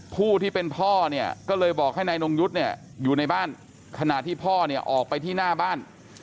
ผู้ที่เป็นพ่อเนี่ยก็เลยบอกให้นายนงยุทธ์เนี่ยอยู่ในบ้านขณะที่พ่อเนี่ยออกไปที่หน้าบ้าน